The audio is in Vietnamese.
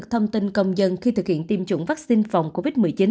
thông tin công dân khi thực hiện tiêm chủng vaccine phòng covid một mươi chín